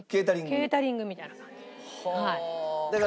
ケータリングみたいな感じです。